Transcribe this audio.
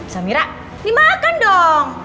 samira ini makan dong